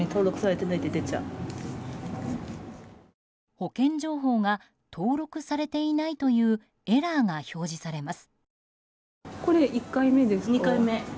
保険情報が登録されていないというエラーが表示されます。